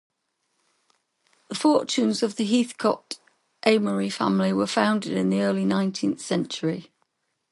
The fortunes of the Heathcoat-Amory family were founded in the early nineteenth century.